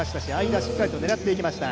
間、しっかり狙っていきました。